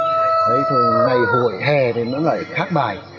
thì từ ngày hội hè thì nó lại khác bài